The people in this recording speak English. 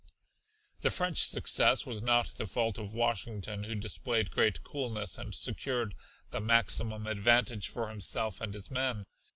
The French success was not the fault of Washington who displayed great coolness and secured the maximum advantage for himself and his men.